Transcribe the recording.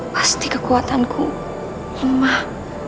pasti kekuatanku lemah